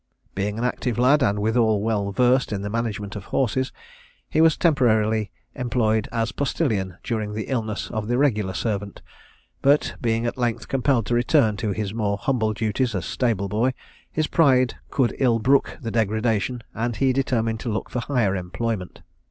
Being an active lad, and withal well versed in the management of horses, he was temporarily employed as postilion during the illness of the regular servant; but, being at length compelled to return to his more humble duties of stable boy, his pride could ill brook the degradation; and he determined to look for higher employment.